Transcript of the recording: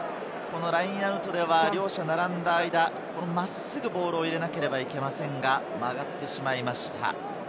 ラインアウトでは両者並んだ間に真っすぐボールを入れなければいけませんが、曲がってしまいました。